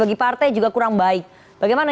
bagi partai juga kurang baik bagaimana